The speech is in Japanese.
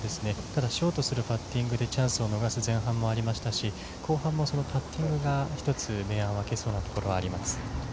ただショートするパッティングでチャンスを逃す前半もありましたし後半もパッティングが一つ明暗を分けそうなところがあります